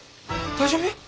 大丈夫？